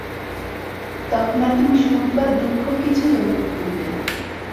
তখন আর তুমি সুখ বা দুঃখ কিছুই অনুভব করিবে না।